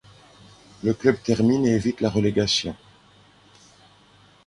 Le club termine et évite la relégation.